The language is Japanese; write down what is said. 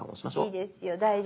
いいですよ大丈夫。